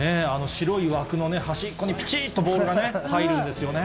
白い枠のね、端っこに、きちっとボールがね、入るんですよね。